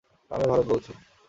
আমি ভারত বলছি।